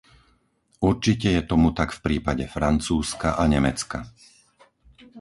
Určite je tomu tak v prípade Francúzska a Nemecka.